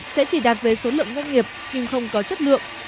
sẽ chỉ đạt về số lượng doanh nghiệp nhưng không có chất lượng